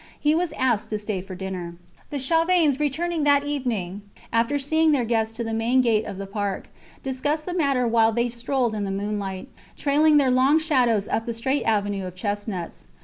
He was asked to stay to dinner. The Chavanes returning that evening, after seeing their guest to the main gate of the park, discussed the matter while they strolled in the moonlight, trailing their long shadows up the straight avenue of chestnuts.